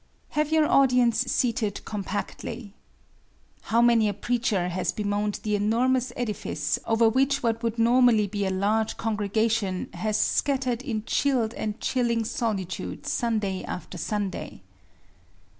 Have your audience seated compactly. How many a preacher has bemoaned the enormous edifice over which what would normally be a large congregation has scattered in chilled and chilling solitude Sunday after Sunday!